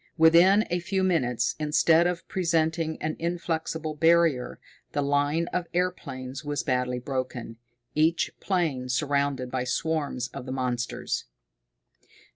Within a few minutes, instead of presenting an inflexible barrier, the line of airplanes was badly broken, each plane surrounded by swarms of the monsters.